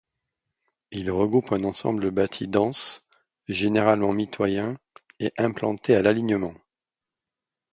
Il regroupe un ensemble bâti dense, généralement mitoyen et implanté à l’alignement.